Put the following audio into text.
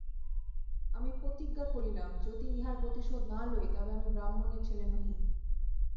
আমি প্রতিজ্ঞা করিলাম যদি ইহার প্রতিশোধ না লই তবে আমি ব্রাহ্মণের ছেলে নহি।